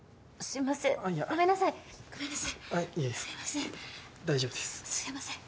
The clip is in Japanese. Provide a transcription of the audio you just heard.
すいません。